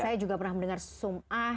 saya juga pernah mendengar sum'ah